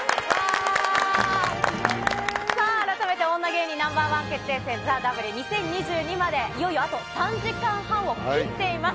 さあ、改めて女芸人Ｎｏ．１決定戦ＴＨＥＷ２０２２までいよいよあと３時間半を切っています。